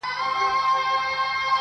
o سیاه پوسي ده، افغانستان دی.